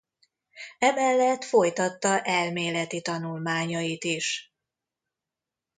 Emellett folytatta elméleti tanulmányait is.